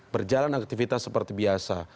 berjalan aktivitas seperti biasa